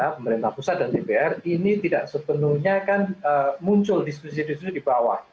pemerintah pusat dan dpr ini tidak sepenuhnya kan muncul diskusi diskusi di bawah